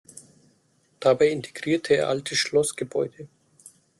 Dabei integrierte er alte Schlossgebäude.